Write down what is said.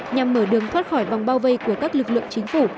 nhằm mở đường thoát khỏi vòng bao vây của các lực lượng chính phủ